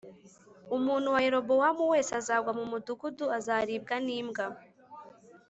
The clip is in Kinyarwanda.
Umuntu wa Yerobowamu wese uzagwa mu mudugudu azaribwa n’imbwa